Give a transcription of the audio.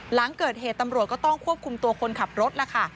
หลังเกิดเหตุตำรวจก็ต้องควบคุมตัวคนขับรถล่ะค่ะ